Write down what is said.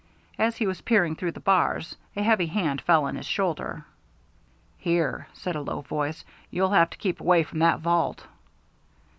As he was peering through the bars, a heavy hand fell on his shoulder. "Here!" said a low voice. "You'll have to keep away from that vault."